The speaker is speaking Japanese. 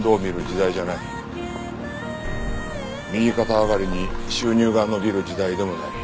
右肩上がりに収入が伸びる時代でもない。